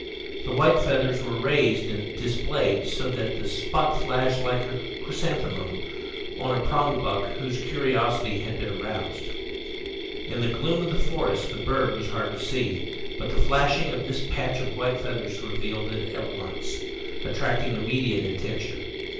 The white feathers were raised and displayed so that the spot flashed like the "chrysanthemum" on a prongbuck whose curiosity has been aroused. In the gloom of the forest the bird was hard to see, but the flashing of this patch of white feathers revealed it at once, attracting immediate attention.